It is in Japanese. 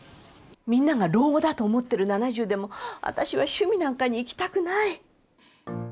みんなが老後だと思っている７０でも私は趣味なんかに生きたくない。